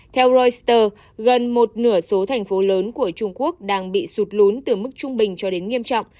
theo reuter gần một nửa số thành phố lớn của trung quốc đang bị sụt lún từ mức trung bình cho đến nghiêm trọng